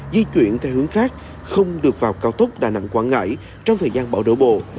di chuyển theo hướng khác không được vào cao tốc đà nẵng quảng ngãi trong thời gian bão đổ bộ